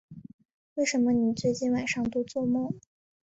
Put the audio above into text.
为什么你最近晚上都作梦